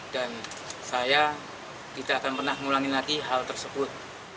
dan saya tidak akan pernah mengulangi lagi hal tersebut